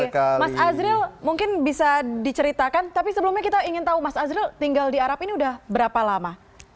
oke mas azril mungkin bisa diceritakan tapi sebelumnya kita ingin tahu mas azril tinggal di arab ini udah berapa lama